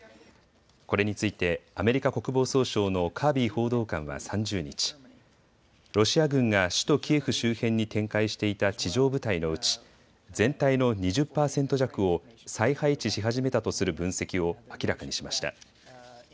これについてアメリカ国防総省のカービー報道官は３０日、ロシア軍が首都キエフ周辺に展開していた地上部隊のうち全体の２０％弱を再配置し始めたとする分析を明らかにしました。